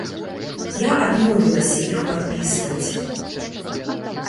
Я адмовілася іх падпісваць.